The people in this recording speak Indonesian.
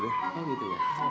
oh gitu ya